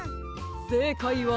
せいかいは。